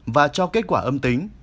và cho kết quả âm tính